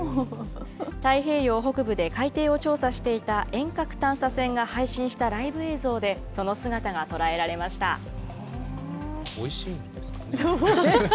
太平洋北部で海底を調査していた遠隔探査船が配信したライブ映像おいしいんですかね。